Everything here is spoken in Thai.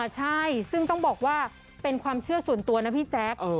ใช่ซึ่งต้องบอกว่าเป็นความเชื่อส่วนตัวนะพี่แจ๊ค